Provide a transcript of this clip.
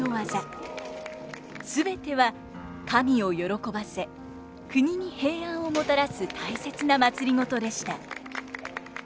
全ては神を喜ばせ国に平安をもたらす大切なまつりごとでした。